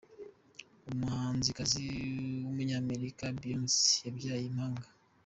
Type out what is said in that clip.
Umuhanzikazi w’ Umunyamerika ’Beyonce’ yabyaye impanga.